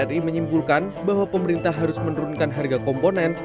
komisi delapan dpr ri menyimpulkan bahwa pemerintah harus menurunkan harga komponen